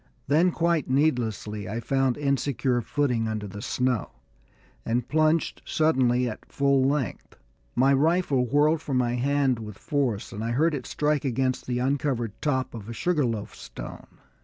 Then, quite needlessly, I found insecure footing under the snow, and plunged suddenly at full length. My rifle whirled from my hand with force, and I heard it strike against the uncovered top of a sugar loaf stone.